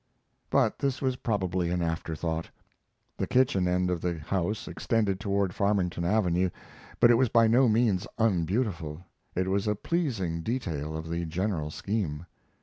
But this was probably an after thought. The kitchen end of the house extended toward Farmington Avenue, but it was by no means unbeautiful. It was a pleasing detail of the general scheme.